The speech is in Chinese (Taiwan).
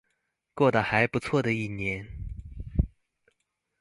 過得還不錯的一年